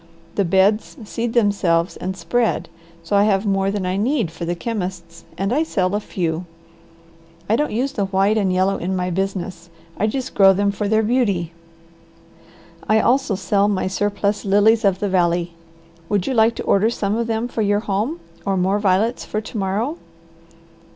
The beds seed themselves and spread, so I have more than I need for the chemists, and I sell a few. I don't use the white and yellow in my business; I just grow them for their beauty. I also sell my surplus lilies of the valley. Would you like to order some of them for your house or more violets for to morrow?"